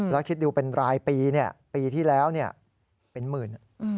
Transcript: แล้วคิดดูเป็นรายปีเนี่ยปีที่แล้วเนี่ยเป็นหมื่น